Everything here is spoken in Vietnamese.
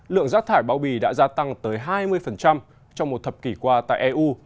lượng rác thải bao bì đã gia tăng tới hai mươi trong một thập kỷ qua tại eu